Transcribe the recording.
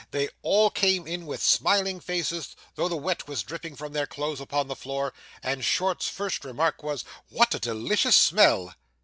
They all came in with smiling faces though the wet was dripping from their clothes upon the floor, and Short's first remark was, 'What a delicious smell!